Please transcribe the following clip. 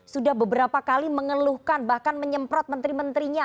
sudah beberapa kali mengeluhkan bahkan menyemprot menteri menterinya